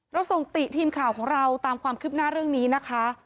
เราส่งติทีมข่าวของเราตามความคืบหน้าเรื่องนี้นะคะ